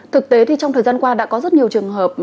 thực tế thì trong thời gian qua đã có rất nhiều trường hợp